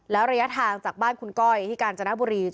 แล้วระยะทางจากบ้านคุณก้อยที่กาญจนบุรี